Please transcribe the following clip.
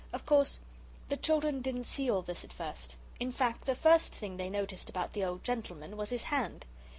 Of course the children didn't see all this at first. In fact the first thing they noticed about the old gentleman was his hand.